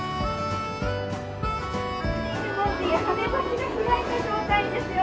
跳ね橋が開いた状態ですよ